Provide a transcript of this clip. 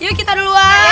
yuk kita duluan